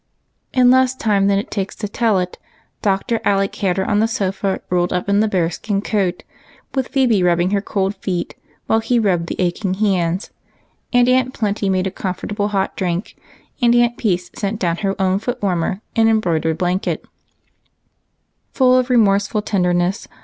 In less time than it takes to tell it. Dr. Alec had her on the sofa rolled up in the bear skin coat, with Phebe rubbing her cold feet while he rubbed the aching hands, and Aunt Plenty made a comfortable hot drink, and Aunt Peace sent down her own foot warmer and em broidered blanket " for the dear." Full of remorseful tenderness.